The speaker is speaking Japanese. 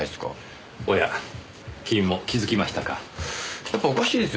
おや君も気づきましたか。